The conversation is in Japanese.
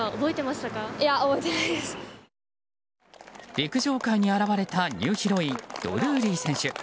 陸上界に現れたニューヒロインドルーリー選手。